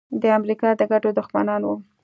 د امریکا د ګټو دښمنان وو.